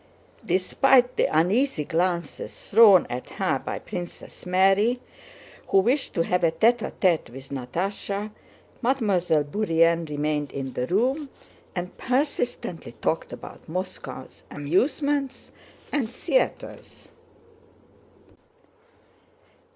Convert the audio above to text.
Despite the uneasy glances thrown at her by Princess Mary—who wished to have a tête à tête with Natásha—Mademoiselle Bourienne remained in the room and persistently talked about Moscow amusements and theaters.